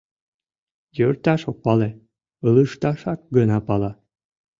Йӧрташ ок пале, ылыжташак гына пала.